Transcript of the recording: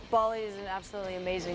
bali adalah tempat yang sangat luar biasa